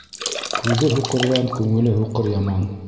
Күҙе һуҡырҙан күңеле һуҡыр яман.